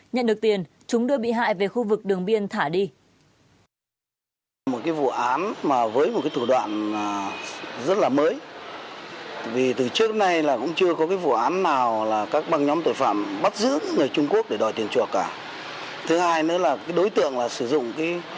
nhận được tiền chúng đưa bị hại về khu vực đường biên thả đi